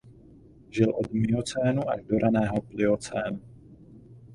Žil od miocénu až do raného pliocénu.